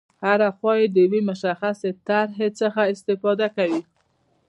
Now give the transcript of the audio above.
هره خوا یې د یوې مشخصې طرحې څخه دفاع کوي.